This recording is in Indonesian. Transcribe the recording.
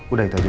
udah itu aja